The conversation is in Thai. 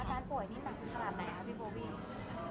อาการป่วยนี่สำหรับไหนครับบิโบบิ